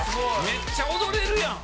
「めっちゃ踊れるやん！」